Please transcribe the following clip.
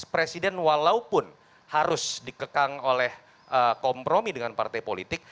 presiden walaupun harus dikekang oleh kompromi dengan partai politik